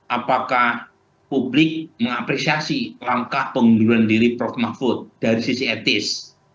apakah publik mengapresiasi langkah pengunduran diri prof mahfud dari sisi etis